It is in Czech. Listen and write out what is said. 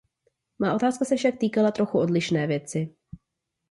Má otázka se však týkala trochu odlišné věci.